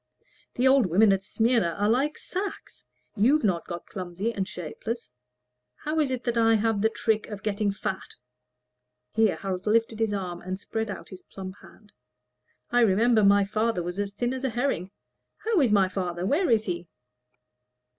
"The old women at Smyrna are like sacks. You've not got clumsy and shapeless. How is it I have the trick of getting fat?" (Here Harold lifted his arm and spread out his plump hand.) "I remember my father was as thin as a herring. How is my father? Where is he?"